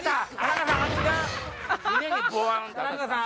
田中さん？